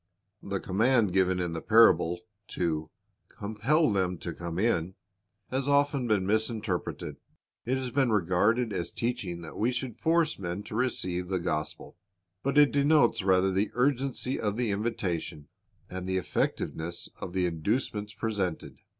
The command given in the parable, to "compel them to come in," has often been misinterpreted. It has been regarded as teaching that we should force men to receive the gospel. But it denotes rather the urgency of the invitation, and the effectiveness of the inducements presented.